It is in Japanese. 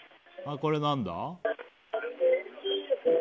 これは何だ？